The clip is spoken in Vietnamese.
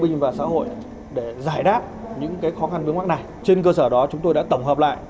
minh và xã hội để giải đáp những khó khăn vướng mắt này trên cơ sở đó chúng tôi đã tổng hợp lại